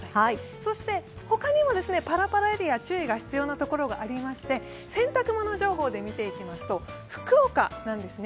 そして他にもぱらぱらエリア、注意が必要な所がありまして洗濯物情報で見ていきますと、福岡なんですね、